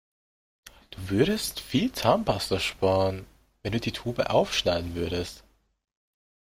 Du würdest viel Zahnpasta sparen, wenn du die Tube aufschneiden würdest.